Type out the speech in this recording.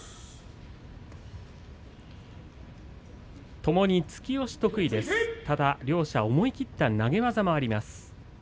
ともに突き押し得意です。両者思い切った投げ技もあります。